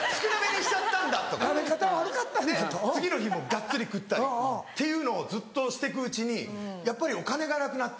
次の日がっつり食ったりっていうのをずっとしてくうちにやっぱりお金がなくなって。